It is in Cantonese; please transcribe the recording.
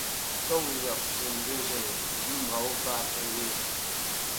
工欲善其事,唔好發脾氣